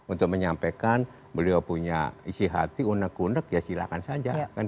untuk menyampaikan beliau punya isi hati unek unek ya silahkan saja